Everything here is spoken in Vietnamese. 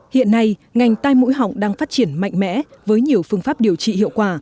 hiện nay ngành tai mũi họng đang phát triển mạnh mẽ với nhiều phương pháp điều trị hiệu quả